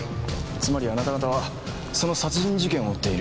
つまりあなた方はその殺人事件を追っている。